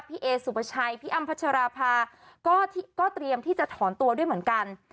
เอสุปชัยพี่อ้ำพัชราภาก็เตรียมที่จะถอนตัวด้วยเหมือนกัน